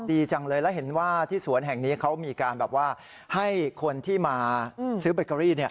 ดีจังเลยแล้วเห็นว่าที่สวนแห่งนี้เขามีการแบบว่าให้คนที่มาซื้อเบเกอรี่